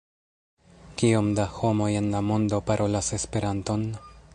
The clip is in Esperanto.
Kiom da homoj en la mondo parolas Esperanton?